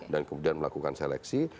dan kemudian melakukan seleksi